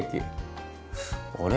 あれ？